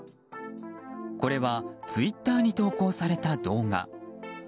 これは、ツイッターに投稿された動画。